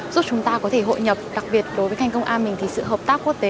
giúp chúng ta có thể hội nhập đặc biệt đối với ngành công an mình thì sự hợp tác quốc tế